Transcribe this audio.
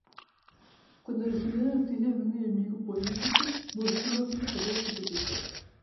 Cuando recibió la noticia de un enemigo político, mostró abiertamente su placer.